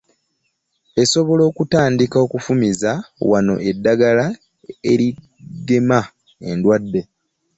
Esobola okutandika okufumiza wano eddagala erigema endwadde